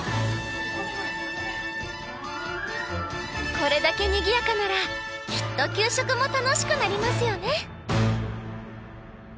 これだけにぎやかならきっと給食も楽しくなりますよね。